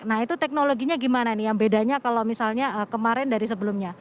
nah itu teknologinya gimana nih yang bedanya kalau misalnya kemarin dari sebelumnya